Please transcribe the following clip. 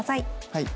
はい。